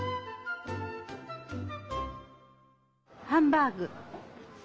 「ハンバーグ」。